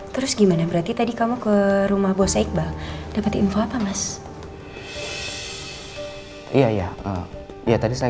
terus gimana berarti tadi kamu ke rumah bosnya iqbal dapat info apa mas iya iya iya tadi saya